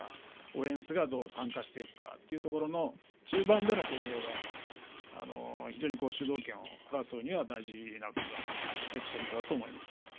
オフェンスがどう参加するかというところの中盤の攻防が非常に主導権をとるには大事な１つポイントだと思います。